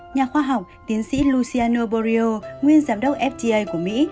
nhà khoa học tiến sĩ louseano borio nguyên giám đốc fda của mỹ